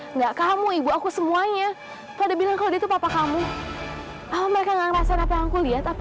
enggak kamu ibu aku semuanya pada bilang kalau dia tuh papa kamu mereka ngerasain apa yang aku lihat apa